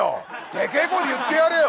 でけえ声で言ってやれよ。